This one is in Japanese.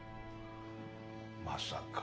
まさか。